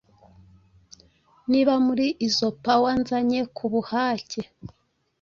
Niba muri izo powr nzanye kubuhake